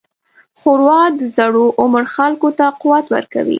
ښوروا د زوړ عمر خلکو ته قوت ورکوي.